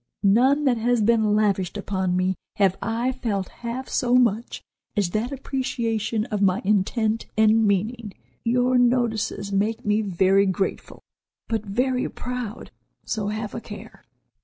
None that has been lavished upon me have I felt half so much as that appreciation of my intent and meaning. Your notices make me very grateful, but very proud, so have a care."